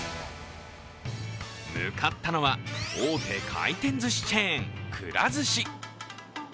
向かったのは、大手回転寿司チェーン、くら寿司。